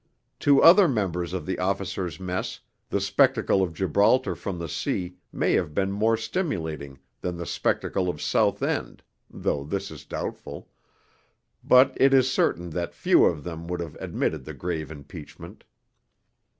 To other members of the officers' mess the spectacle of Gibraltar from the sea may have been more stimulating than the spectacle of Southend (though this is doubtful); but it is certain that few of them would have admitted the grave impeachment.